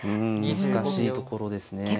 うん難しいところですね。